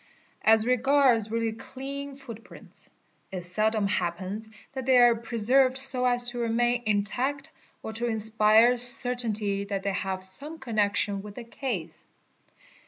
As regards really clean footprints, it seldom . happens that they are preserved so as to remain intact, or to inspire certainty that they have some connection with the case.